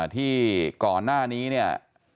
ที่ก่อนหน้านี้เนี่ย